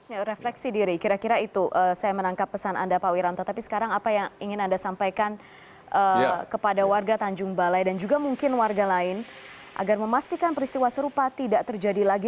ya refleksi diri kira kira itu saya menangkap pesan anda pak wiranto tapi sekarang apa yang ingin anda sampaikan kepada warga tanjung balai dan juga mungkin warga lain agar memastikan peristiwa serupa tidak terjadi lagi